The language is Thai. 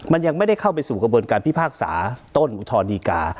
มันยังไม่ได้เข้าไปสู่กระบวนการพิพากษาต้นอุทธรณดีกา